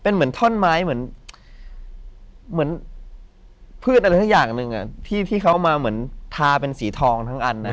จริงภะที่เขามาเหมือนทาเป็นสีทองทั้งอันนะครับ